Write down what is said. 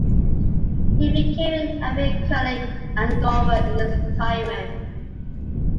He became an avid curler and golfer in his retirement.